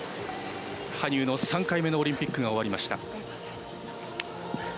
羽生の３回目のオリンピックが終わりました。